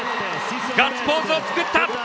ガッツポーズを作った！